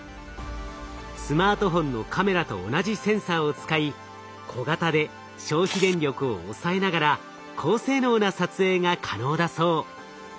スマートフォンのカメラと同じセンサーを使い小型で消費電力を抑えながら高性能な撮影が可能だそう。